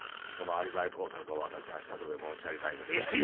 そのアリバイ工作を私がしたとでもおっしゃりたいんですか？